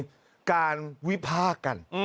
ตามสารวิภากัน